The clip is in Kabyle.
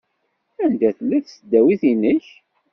Anda tella tesdawit-nnek?